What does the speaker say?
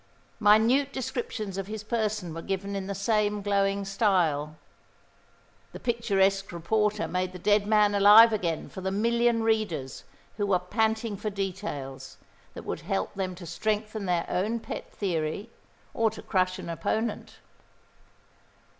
Minute descriptions of his person were given in the same glowing style. The picturesque reporter made the dead man alive again for the million readers who were panting for details that would help them to strengthen their own pet theory or to crush an opponent.